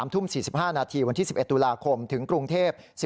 ทุ่ม๔๕นาทีวันที่๑๑ตุลาคมถึงกรุงเทพฯ